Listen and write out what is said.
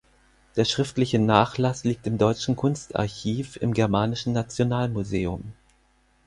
Der schriftliche Nachlass liegt im Deutschen Kunstarchiv im Germanischen Nationalmuseum.